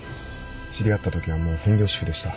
知り合った時はもう専業主婦でした。